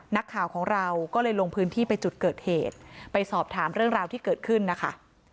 นักข่าวของเราก็เลยลงพื้นที่ไปจุดเกิดเหตุไปสอบถามเรื่องราวที่เกิดขึ้นนะคะ